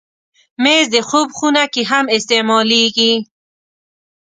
مېز د خوب خونه کې هم استعمالېږي.